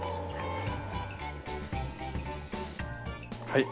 はい。